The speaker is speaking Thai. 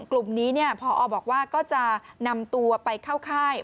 กลุ่มนี้พอบอกว่าก็จะนำตัวไปเข้าค่าย